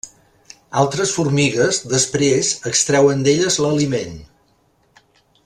Altres formigues després extreuen d'elles l'aliment.